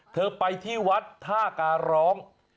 เธอไปที่วัดทะกาลอง